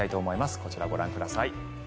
こちら、ご覧ください。